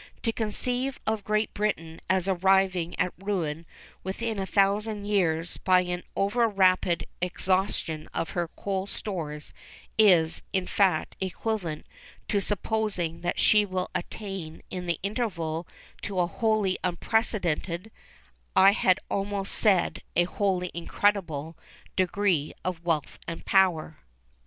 To conceive of Great Britain as arriving at ruin within a thousand years by the over rapid exhaustion of her coal stores, is, in fact, equivalent to supposing that she will attain in the interval to a wholly unprecedented—I had almost said a wholly incredible—degree of wealth and power.